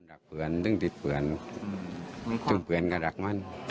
ดับเผือนตึงติดเผือนตึงเผือนกับรักมัน